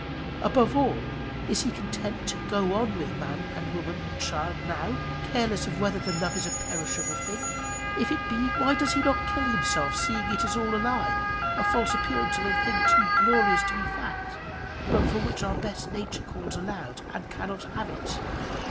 Above all, is he content to go on with man and woman and child now, careless of whether the love is a perishable thing? If it be, why does he not kill himself, seeing it is all a lie a false appearance of a thing too glorious to be fact, but for which our best nature calls aloud and cannot have it?